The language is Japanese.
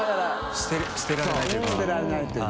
修捨てられないという。